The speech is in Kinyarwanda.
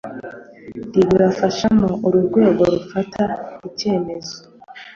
rubibafashamo uru rwego rufata icyemezo